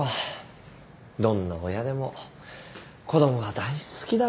どんな親でも子供は大好きだろ。